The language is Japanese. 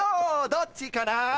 どっちかな